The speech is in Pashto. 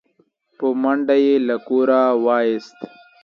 په منډه يې له کوره و ايست